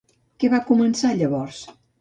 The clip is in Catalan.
Què va començar llavors?